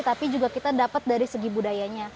tapi juga kita dapat dari segi budayanya